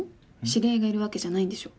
知り合いがいるわけじゃないんでしょ？